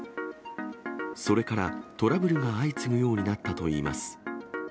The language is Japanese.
それからトラブルが相次ぐようになったといいます。